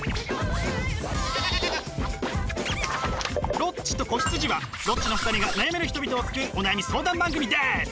「ロッチと子羊」はロッチの２人が悩める人々を救うお悩み相談番組です！